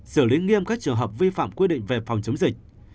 xử lý nghiêm các trường hợp vi phạm quy định về phòng chống dịch